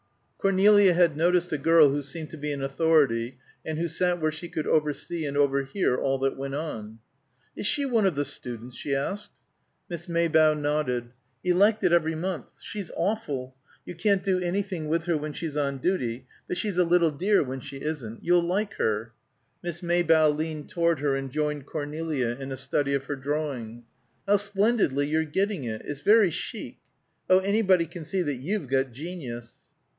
Cornelia had noticed a girl who seemed to be in authority, and who sat where she could oversee and overhear all that went on. "Is she one of the students?" she asked. Miss Maybough nodded. "Elected every month. She's awful. You can't do anything with her when she's on duty, but she's a little dear when she isn't. You'll like her." Miss Maybough leaned toward her, and joined Cornelia in a study of her drawing. "How splendidly you're getting it. It's very chic. Oh, anybody can see that you've got genius!"